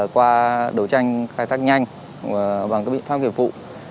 qua đấu tranh khai thác nhanh bằng các biện pháp kiểm phụ